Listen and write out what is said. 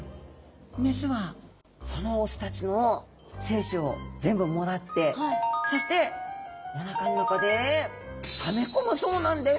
雌はその雄たちの精子を全部もらってそしてお腹の中でため込むそうなんです。